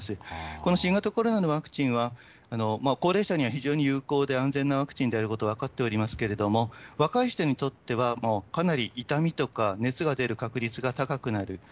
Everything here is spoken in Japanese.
この新型コロナのワクチンは、高齢者には非常に有効で安全なワクチンであることは分かっておりますけれども、若い人にとってはかなり痛みとか、熱が出る確率が高くなる。